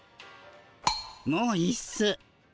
もういいっす。